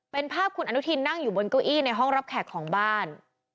เป็นภาพคุณอนุทินนั่งอยู่บนเก้าอี้ในห้องรับแขกของบ้าน